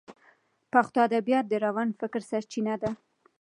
پښتو ادبیات د روڼ فکر سرچینه ده.